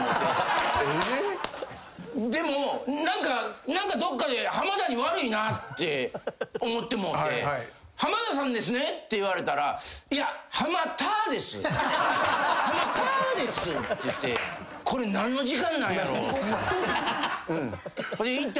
でも何かどっかで浜田に悪いなって思ってもうて「浜田さんですね？」って言われたら「いや」これ何の時間なんやろうって。